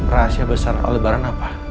rahasia besar aldebaran apa